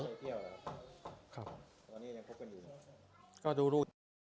ละวันเศรษฐ์